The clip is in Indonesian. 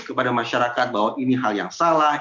kepada masyarakat bahwa ini hal yang salah